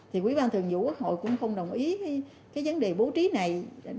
thì quỹ ban thường vụ quốc hội cũng không đồng ý với cái vấn đề bố trí này